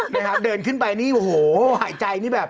นี่ครับเดินขึ้นไปนี่โอ้โหหายใจนี่แบบ